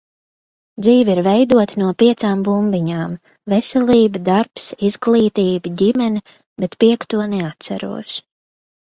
Dzīve ir veidota no piecām bumbiņām - veselība, darbs, izglītība, ģimene, bet piekto neatceros.